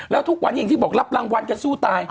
แล้วทุกวันนี้อย่างที่บอกรับรางวัลกันสู้ตาย